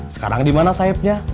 sekarang di mana saibnya